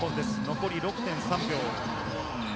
残り６．３秒。